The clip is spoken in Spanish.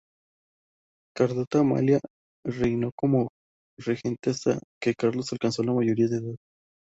Carlota Amalia, reinó como regente hasta que Carlos alcanzó la mayoría de edad.